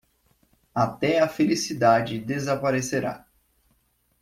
Até a felicidade desaparecerá